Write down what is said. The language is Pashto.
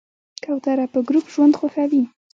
کوتره په ګروپ ژوند خوښوي.